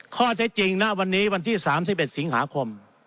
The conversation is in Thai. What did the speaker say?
ข้อเท็จจริงณวันนี้วันที่๓๑สิงหาคม